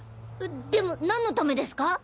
でも何のためですか？